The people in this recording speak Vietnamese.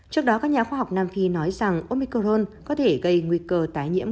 trước đó các nhà khoa học nam phi nói rằng omicron có thể gây nguy cơ tái nhiễm